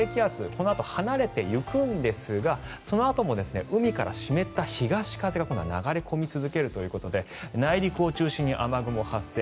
このあと離れていくんですがそのあとも海から湿った東風が流れ込み続けるということで内陸を中心に雨雲が発生。